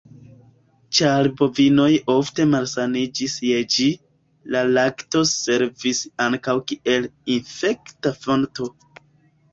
Ĉar bovinoj ofte malsaniĝis je ĝi, la lakto servis ankaŭ kiel infekta fonto.